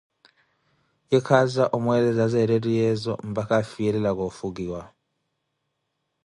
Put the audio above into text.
Ye kwaaza weeleza zeettehyeezo mpakha afiyelelaka omuula.